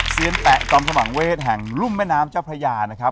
เซียนแปะจอมขมังเวศแห่งรุ่มแม่น้ำเจ้าพระยานะครับ